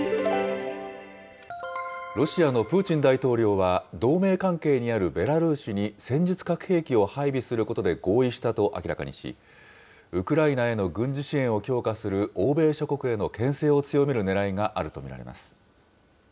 ロシアのプーチン大統領は、同盟関係にあるベラルーシに戦術核兵器を配備することで合意したと明らかにし、ウクライナへの軍事支援を強化する欧米諸国へのけん制を強めるねらいがあると見られます。